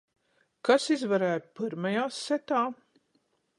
Kas izvarēja pyrmajā setā?